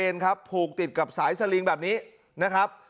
ต้องใช้รถเครนครับผูกติดกับสายสลิงแบบนี้นะครับ